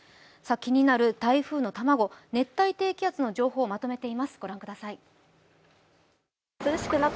気になる台風の卵、熱帯低気圧の情報をまとめています。